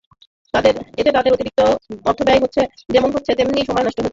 এতে তাঁদের অতিরিক্ত অর্থ ব্যয় যেমন হচ্ছে, তেমনি সময়ও নষ্ট হচ্ছে।